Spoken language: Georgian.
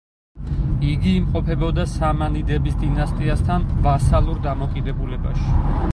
იგი იმყოფებოდა სამანიდების დინასტიასთან ვასალურ დამოკიდებულებაში.